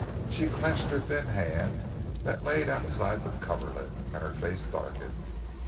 She clenched her thin hand that laid outside the coverlet, and her face darkened.